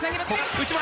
内股。